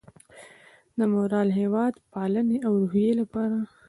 د مورال، هیواد پالنې او روحیې لپاره